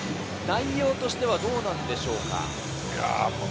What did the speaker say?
内容としてはどうなんでしょうか？